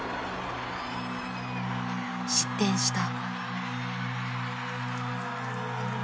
失点した。